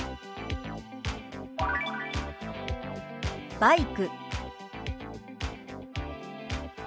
「バイク」。